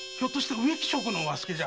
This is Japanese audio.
植木職の和助じゃ？